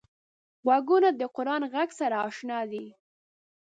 غوږونه د قران غږ سره اشنا دي